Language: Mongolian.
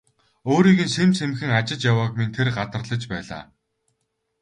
Өөрийг нь сэм сэмхэн ажиж явааг минь тэр гадарлаж байлаа.